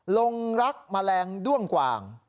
หลงลักษณ์แมลงด้วงกว่าง